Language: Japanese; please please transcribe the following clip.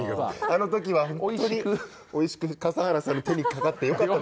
あのときはホントにおいしく笠原さんの手に掛かってよかったです。